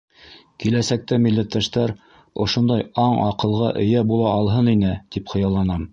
Киләсәктә милләттәштәр ошондай аң-аҡылға эйә була алһын ине, тип хыялланам.